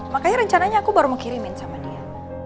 makanya rencananya aku baru mau kirimin sama dia